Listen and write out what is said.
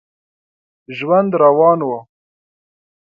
ژوند روان و.